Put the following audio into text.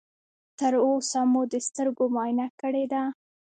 تر اوسه مو د سترګو معاینه کړې ده؟